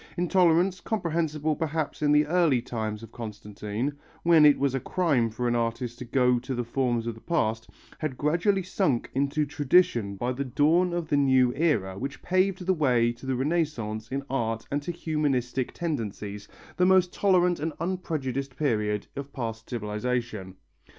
Intolerance, comprehensible perhaps in the early times of Constantine, when it was a crime for an artist to go to the forms of the past, had gradually sunk into tradition by the dawn of the new era which paved the way to the Renaissance in art and to humanistic tendencies, the most tolerant and unprejudiced period of past civilization.